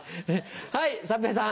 はい三平さん。